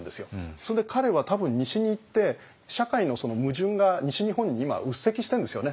それで彼は多分西に行って社会の矛盾が西日本に今うっせきしてるんですよね。